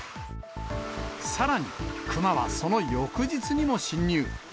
さらに、クマはその翌日にも侵入。